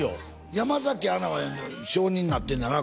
山アナは証人になってんねやな